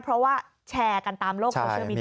เพราะว่าแชร์กันตามโลกโซเชียลมีเ